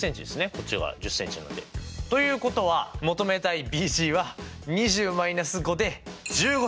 こっちが１０ｃｍなんで。ということは求めたいＢＧは２０−５で１５ｃｍということになりますね。